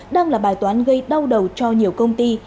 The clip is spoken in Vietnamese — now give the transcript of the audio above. đang là bài toán gây đau đầu cho nhiều công ty